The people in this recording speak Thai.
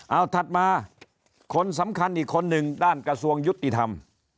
เอาถัดมาคนสำคัญอีกคนหนึ่งด้านกระทรวงยุติธรรม